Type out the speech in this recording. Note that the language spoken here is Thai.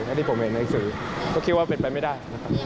แล้วที่ผมเห็นในหน้าศือก็คิดว่าเป็นไปไม่ได้